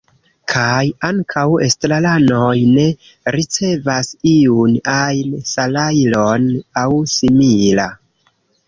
Kaj ankaŭ estraranoj ne ricevas iun ajn salajron aŭ simila.